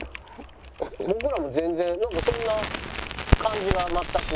僕らも全然なんかそんな感じが全く。